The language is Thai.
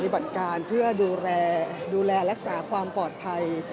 บัติการเพื่อดูแลดูแลรักษาความปลอดภัย